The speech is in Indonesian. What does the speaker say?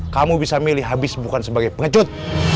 kamu bisa milih habis bukan sebagai pengecut